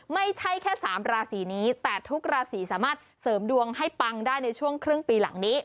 ไม่ใช่แค่๓ราศีนี้แต่ทุกราศีสามารถเสริมดวงให้ปังได้ในช่วงครึ่งปีหลังนี้